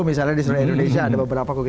misalnya di seluruh indonesia ada beberapa